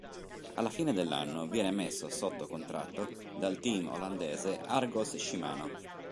Alla fine dell'anno viene messo sotto contratto dal team olandese Argos-Shimano.